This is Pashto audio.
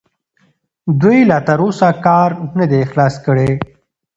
دوی لا تراوسه کار نه دی خلاص کړی.